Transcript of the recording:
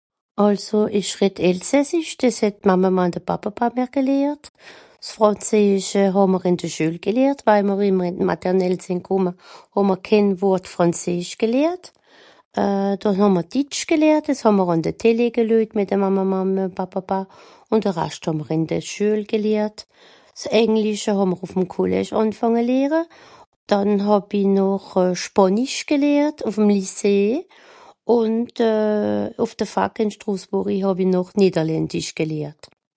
àlso ich redd Elsässisch, diss het d'Mammema un de Babbeba mr gelehrt. S Frànzeesche hàm'r in de Schuel gelehrt, weil wie mr in d Maternelle sin komme, hàm'r kenn Wort Frànzeesch gelehrt. Euh dànn hàm'r Ditsch gelehrt, diss hàm'r àn de Télé gelöjt mit de Mammema un mit'm Babbeba, un de Rascht hàm'r in de Schuel gelehrt. S Englische hàm'r uff'm Collège ànfànge lehre, dànn hàw i noch Spànisch gelehrt uff'm Lycée. Und euh uff de Fac in Strossburri hàw i noch Niederländisch gelehrt